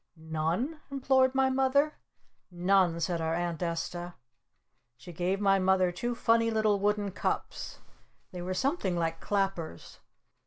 "None?" implored my Mother. "None!" said our Aunt Esta. She gave my Mother two funny little wooden cups. They were something like clappers.